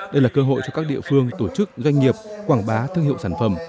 đây là cơ hội cho các địa phương tổ chức doanh nghiệp quảng bá thương hiệu sản phẩm